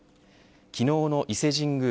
昨日の伊勢神宮